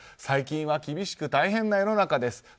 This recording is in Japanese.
最近は厳しく大変な世の中です